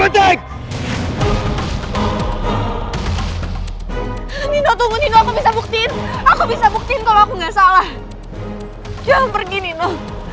jangan pergi nino